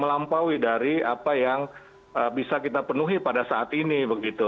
melampaui dari apa yang bisa kita penuhi pada saat ini begitu